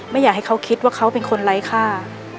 ไม่อยากให้เขาคิดว่าเขาเป็นคนไร้ค่า